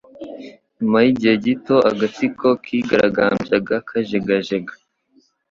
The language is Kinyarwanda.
Nyuma yigihe gito, agatsiko kigaragambyaga kajegajega.